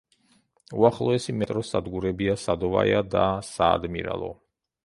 უახლოესი მეტროს სადგურებია „სადოვაია“, და „საადმირალო“.